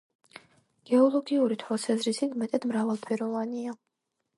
გეოლოგიური თვალსაზრისით მეტად მრავალფეროვანია.